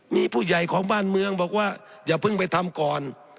มีผู้ใหญ่ของบ้านเมืองบอกว่าอย่าเพิ่งไปทำก่อน